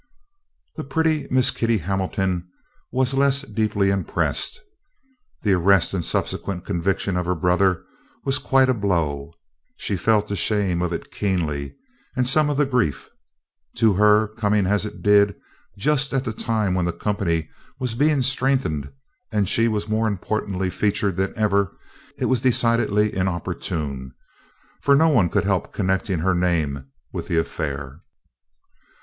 The pretty Miss Kitty Hamilton was less deeply impressed. The arrest and subsequent conviction of her brother was quite a blow. She felt the shame of it keenly, and some of the grief. To her, coming as it did just at a time when the company was being strengthened and she more importantly featured than ever, it was decidedly inopportune, for no one could help connecting her name with the affair.